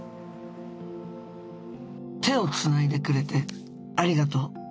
「手をつないでくれてありがとう。